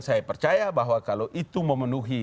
saya percaya bahwa kalau itu memenuhi